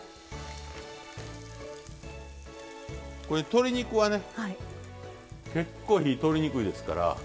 これ鶏肉はね結構火通りにくいですから。